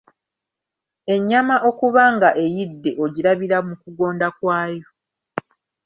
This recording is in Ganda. Ennyama okuba nga eyidde ogirabira mu kugonda kwayo.